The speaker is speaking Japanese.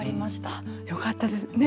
ああよかったです。ね。